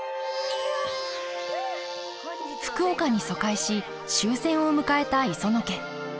福岡に疎開し終戦を迎えた磯野家。